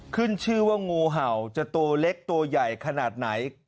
ขึ้นชื่อว่างูเห่าจะตัวเล็กตัวใหญ่ขนาดไหน